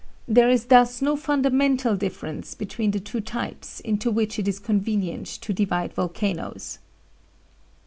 There is thus no fundamental difference between the two types into which it is convenient to divide volcanoes."